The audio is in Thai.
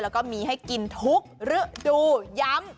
แล้วก็มีให้กินทุกฤดูย้ำ